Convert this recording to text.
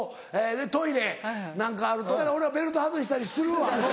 でトイレなんかあると俺はベルト外したりするわ。